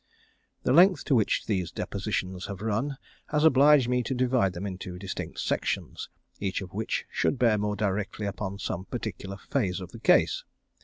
The length to which these depositions have run has obliged me to divide them into distinct sections, each of which should bear more directly upon some particular phase of the case.